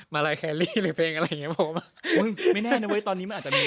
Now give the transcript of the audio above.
ไม่แน่นะตอนนี้มันอาจจะมีแล้วก็ได้